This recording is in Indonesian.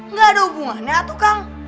nggak ada hubungannya tuh kak